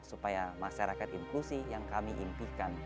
supaya masyarakat inklusi yang kami impikan